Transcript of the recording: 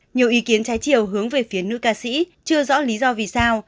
nhiều ý kiến trái chiều hướng về phía nữ ca sĩ chưa rõ lý do vì sao